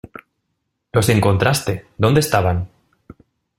Los encontraste. ¿ Dónde estaban?